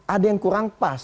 ada yang kurang pas